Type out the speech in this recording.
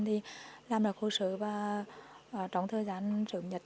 thì làm được hồ sơ và trong thời gian sớm nhất